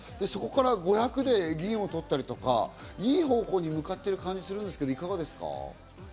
そこから５００で銀を取ったり、いい方向に向かってる感じがするんですけど、いかがですか？